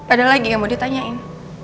ada lagi yang mau ditanyain